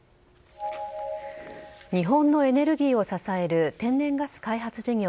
日本のエネルギーを支える天然ガス開発事業